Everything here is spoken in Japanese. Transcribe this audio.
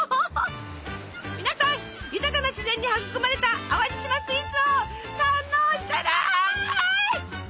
皆さん豊かな自然に育まれた淡路島スイーツを堪能してね！